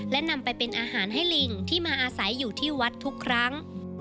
และนำไปเป็นอาหารให้ลิงที่มาอาศัยอยู่ที่วัดทุกครั้ง